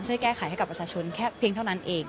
ช่วยแก้ไขให้กับประชาชนแค่เพียงเท่านั้นเอง